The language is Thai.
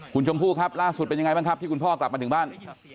คุณชมพู่ครับล่าสุดเป็นยังไงบ้างครับที่คุณพ่อกลับมาถึงบ้าน